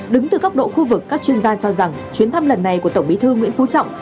đứng từ góc độ khu vực các chuyên gia cho rằng chuyến thăm lần này của tổng bí thư nguyễn phú trọng